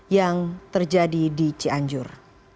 yang terjadi di cianjur